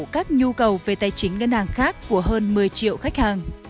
các nhu cầu về tài chính ngân hàng khác của hơn một mươi triệu khách hàng